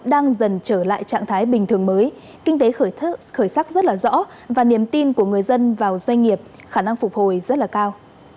đang dần trở lại trạng thái bình thường mới kinh tế khởi sắc rất là rõ và niềm tin của người dân vào doanh nghiệp khả năng phục hồi rất là cao